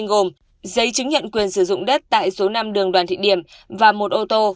gồm giấy chứng nhận quyền sử dụng đất tại số năm đường đoàn thị điểm và một ô tô